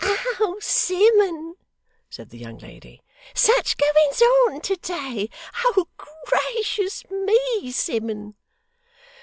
'Oh Simmun!' said the young lady, 'such goings on to day! Oh, gracious me, Simmun!